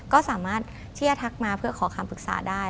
ก็สามารถที่จะทักมาเพื่อขอคำปรึกษาได้